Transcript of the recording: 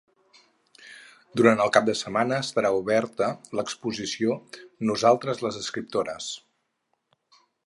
Durant el cap de setmana estarà oberta l’exposició Nosaltres, les escriptores.